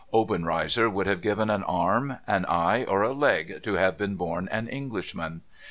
Oben reizer would have given an arm, an eye, or a leg to have been bom an Englishman.